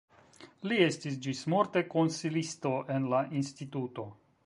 Li estis ĝismorte konsilisto en la instituto.